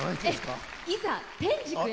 いざ天竺へ。